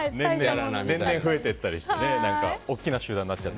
年々増えていったりして大きな集団になって。